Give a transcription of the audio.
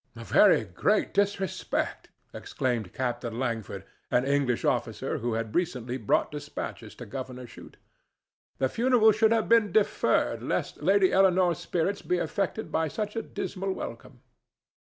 "A very great disrespect!" exclaimed Captain Langford, an English officer who had recently brought despatches to Governor Shute. "The funeral should have been deferred lest Lady Eleanore's spirits be affected by such a dismal welcome."